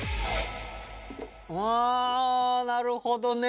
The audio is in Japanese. うわあなるほどね。